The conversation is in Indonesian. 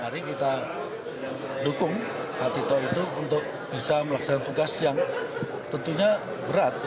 hari ini kita dukung pak tito untuk bisa melaksanakan tugas yang tentunya berat